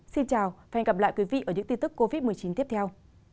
xin chào và hẹn gặp lại quý vị ở những tin tức covid một mươi chín tiếp theo